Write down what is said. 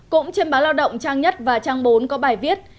cũng trên báo lao động trang nhất và trang bốn có bài viết